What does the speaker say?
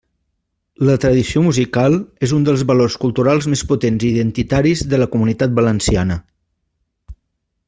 La tradició musical és un dels valors culturals més potents i identitaris de la Comunitat Valenciana.